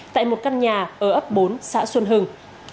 tại một căn nhà ở ấp bốn xã xuân hưng